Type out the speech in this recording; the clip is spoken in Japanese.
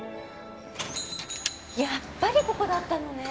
やっぱりここだったのね。